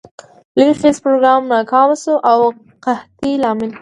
لوی خیز پروګرام ناکام شو او د قحطي لامل ګړ.